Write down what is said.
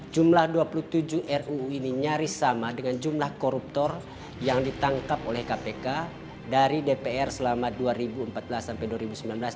jumlah dua puluh tujuh ruu ini nyaris sama dengan jumlah koruptor yang ditangkap oleh kpk dari dpr selama dua ribu empat belas sampai dua ribu sembilan belas